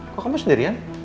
kok kamu sendirian